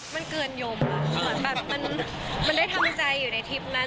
มันเกินโยมมันได้ทำใจอยู่ในทิปนั้น